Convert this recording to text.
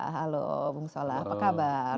halo bung solah apa kabar